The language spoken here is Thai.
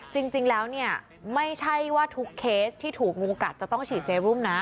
จริงแล้วเนี่ยไม่ใช่ว่าทุกเคสที่ถูกงูกัดจะต้องฉีดเซรุมนะ